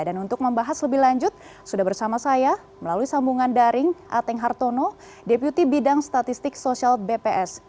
dan untuk membahas lebih lanjut sudah bersama saya melalui sambungan daring ateng hartono deputi bidang statistik sosial bps